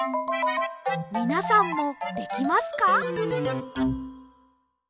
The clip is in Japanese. みなさんもできますか？